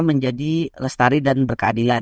menjadi lestari dan berkeadilan